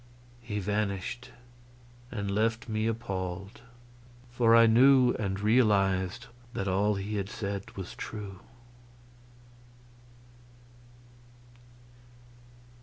He vanished, and left me appalled; for I knew, and realized, that all he had said was true.